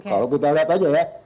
kalau kita lihat aja ya